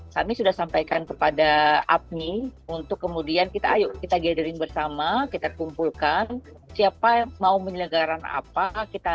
kami sudah sampaikan kepada apmi untuk kemudian kita ayo kita gathering bersama kita kumpulkan siapa yang mau menyelenggarakan apa